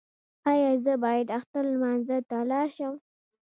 ایا زه باید اختر لمانځه ته لاړ شم؟